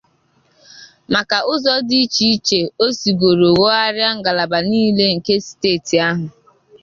maka ụzọ dị iche iche o sigoro nwògharịa ngalaba niile nke steeti ahụ